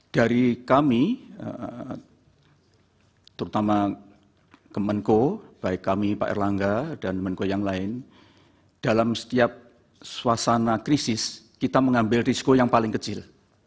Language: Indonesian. dari kami terutama kemenko baik kami pak erlangga dan menko yang lain dalam setiap suasana krisis kita mengambil risiko yang paling kecil